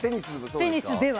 テニスでは。